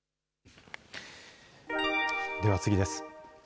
では次です。